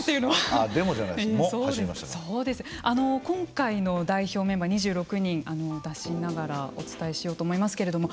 今回の代表メンバー２６人を出しながらお伝えしようと思いますけれども。